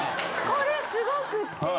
これすごくって。